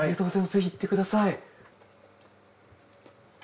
ぜひいってください。